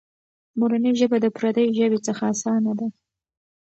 مورنۍ ژبه د پردۍ ژبې څخه اسانه ده.